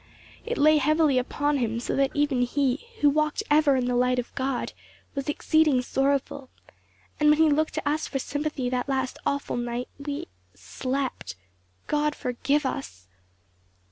It lay heavily upon him so that even he, who walked ever in the light of God, was exceeding sorrowful; and when he looked to us for sympathy that last awful night, we slept. God forgive us!"